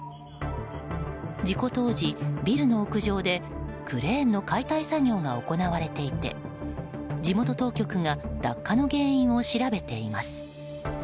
事故当時、ビルの屋上でクレーンの解体作業が行われていて地元当局が落下の原因を調べています。